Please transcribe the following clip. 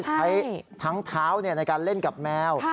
ใช้ทั้งเท้าในการเล่นกับแมว